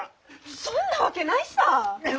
そんなわけないさぁ！